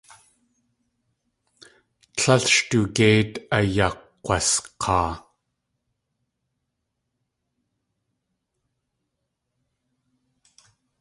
Tlél sh tugéit ayakg̲wask̲aa.